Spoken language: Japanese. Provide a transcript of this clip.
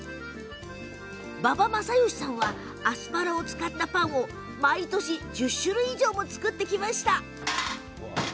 馬場正佳さんはアスパラを使ったパンを毎年、１０種類以上作ってきました。